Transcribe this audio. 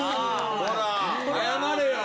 ほら謝れよ！